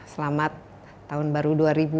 selamat tahun baru dua ribu dua puluh